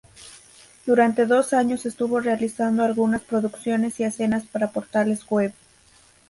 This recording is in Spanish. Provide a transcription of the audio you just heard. Durante dos años estuvo realizando algunas producciones y escenas para portales web.